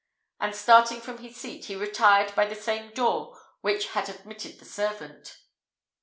and, starting from his seat, he retired by the same door which had admitted the servant.